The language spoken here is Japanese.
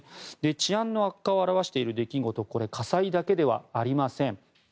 治安の悪化を表している出来事は火災だけではありません。